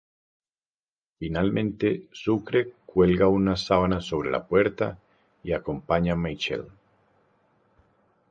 Finalmente, Sucre cuelga una sábana sobre la puerta y acompaña a Michael.